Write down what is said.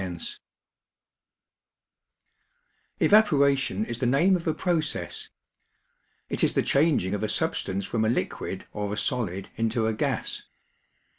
— Evaporation is the name of a proc ess. It is the changing of a substance from a liquid or a solid into a gas.